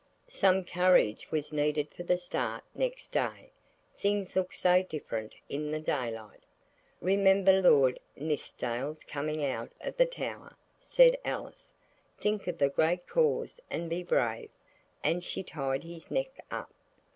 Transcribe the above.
Some courage was needed for the start next day. Things look so different in the daylight. "Remember Lord Nithsdale coming out of the Tower," said Alice. "Think of the great cause and be brave," and she tied his neck up.